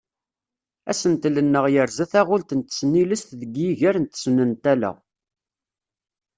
Asentel-nneɣ yerza taɣult n tesnilest deg yiger n tesnantala.